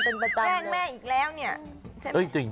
แกล้งแม่อีกแล้วเนี่ย